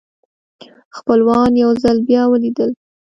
خپلوان یو ځل بیا ولیدل.